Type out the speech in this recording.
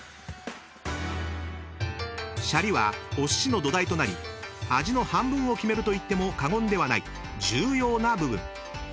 ［シャリはお寿司の土台となり味の半分を決めると言っても過言ではない重要な部分］